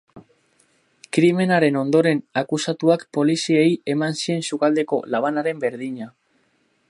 Krimenaren ondoren akusatuak poliziei eman zien sukaldeko labanaren berdina.